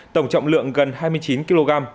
tổng trọng lượng gần hai mươi chín kg